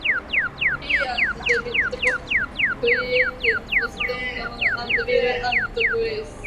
He and David Kohan created "Boston Common" and "Will and Grace".